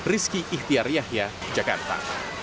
rizky ihtiar yahya jakarta